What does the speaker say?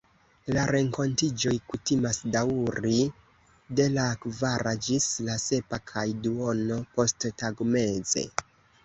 La renkontiĝoj kutimas daŭri de la kvara ĝis la sepa kaj duono posttagmeze.